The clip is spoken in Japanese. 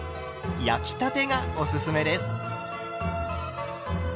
焼きたてがおすすめです。